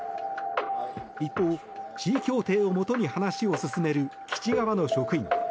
一方、地位協定をもとに話を進める基地側の職員。